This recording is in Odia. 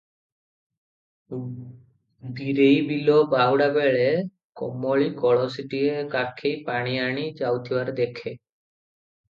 ବୀରେଇ ବିଲ ବାହୁଡ଼ା ବେଳେ କମଳୀ କଳସୀଟିଏ କାଖେଇ ପାଣି ଆଣି ଯାଉଥିବାର ଦେଖେ ।